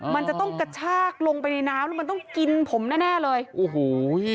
มันจะต้องกระชากลงไปในน้ำแล้วมันต้องกินผมแน่แน่เลยโอ้โห